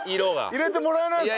入れてもらえないんですか？